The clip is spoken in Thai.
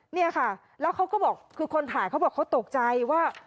เนี่ยค่ะแล้วเขาก็บอกคือคนถ่ายเขาบอกเขาตกใจว่า